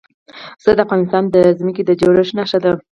پسه د افغانستان د ځمکې د جوړښت نښه ده.